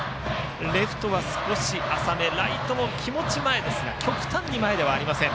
レフトは少し浅めライトも気持ち前ですが極端に前ではありません。